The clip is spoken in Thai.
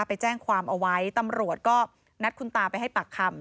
ไปแจ้งความเอาไว้ตำรวจก็นัดคุณตาไปให้ปากคำ